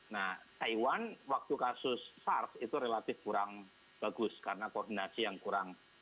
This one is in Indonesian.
nah taiwan waktu kasus sars itu relatif kurang bagus karena koordinasi yang kurang